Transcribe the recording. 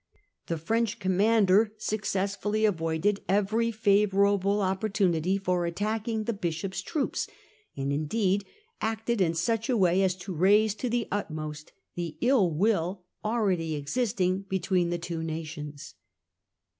The French commander successfully avoided every favourable opportunity for attacking the Bishop's troops, and indeed acted in such a way as to raise to the utmost the ill will already existing between the two nations.